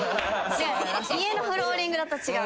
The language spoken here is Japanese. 家のフローリングだと違う。